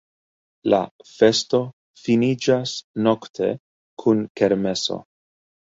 La festo finiĝas nokte kun kermeso.